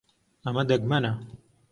ئەمە دەگمەنە.